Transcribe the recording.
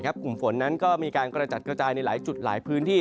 กลุ่มฝนนั้นก็มีการกระจัดกระจายในหลายจุดหลายพื้นที่